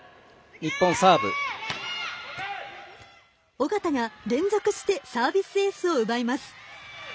小方が連続してサービスエースを奪います。